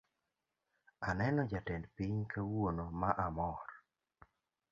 Aneno jatend piny kawuono ma amor